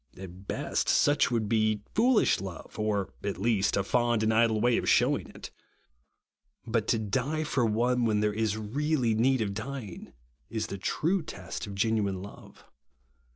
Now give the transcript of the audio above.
At best, such would be foolish love, or, at least, a fond and idle way of shewing it. But to die for one, when there is really need of dying, is the true test of genuine love.